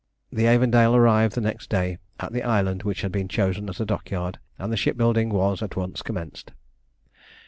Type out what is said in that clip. The Avondale arrived the next day at the island which had been chosen as a dockyard, and the ship building was at once commenced.